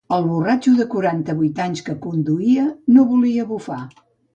El borratxo de quaranta-vuit anys que conduïa no volia bufar.